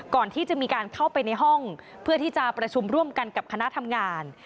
ก่อนที่จะมีการเข้าไปในห้องเพื่อที่จะประชุมร่วมกันกับคณะทำงาน